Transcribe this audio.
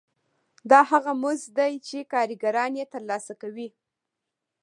دا هغه مزد دی چې کارګران یې ترلاسه کوي